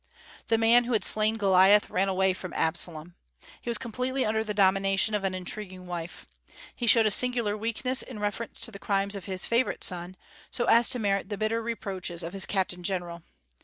The man who had slain Goliath ran away from Absalom. He was completely under the domination of an intriguing wife. He showed a singular weakness in reference to the crimes of his favorite son, so as to merit the bitter reproaches of his captain general.